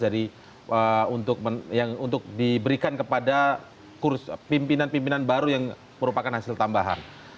jadi untuk yang untuk diberikan kepada pimpinan pimpinan baru yang merupakan hasil tambahan